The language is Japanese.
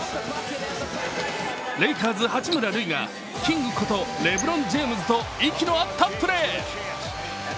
レイカーズ・八村塁がキングことレブロン・ジェームズと息の合ったプレー。